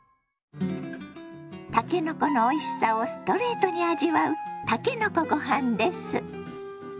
たけのこのおいしさをストレートに味わうたけのこご飯です。